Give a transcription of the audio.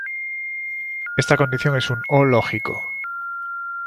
Esta condición es un O lógico.